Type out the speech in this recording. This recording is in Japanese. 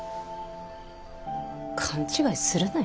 勘違いするなよ。